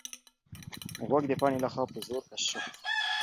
غوږ د پاڼې لخوا په زور کش شو.